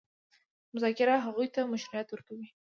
مذاکره هغوی ته مشروعیت ورکوي.